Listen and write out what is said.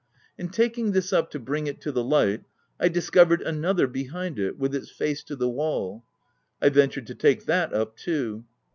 In taking this up to bring it to the light, I discovered another behind it, with its face to the wall. I ventured to take that up too.